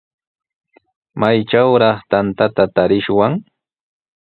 ¿Maytrawraq tantata tarishwan?